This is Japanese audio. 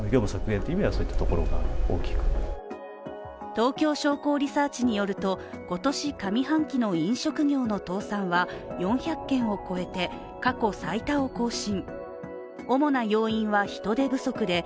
東京商工リサーチによると、今年上半期の飲食業の倒産は４００件を超えて、過去最多を更新。